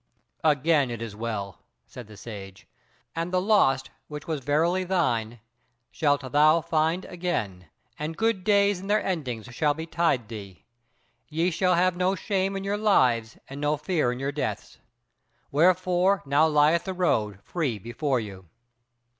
"Again it is well," said the Sage, "and the lost which was verily thine shalt thou find again, and good days and their ending shall betide thee. Ye shall have no shame in your lives and no fear in your deaths. Wherefore now lieth the road free before you."